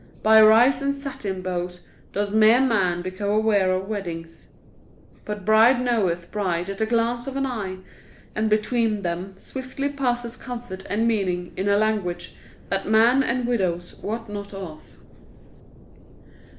By rice and satin bows does mere man become aware of weddings. But bride knoweth bride at the glance of an eye. And between them swiftly passes comfort and meaning in a language that man and widows wot not of.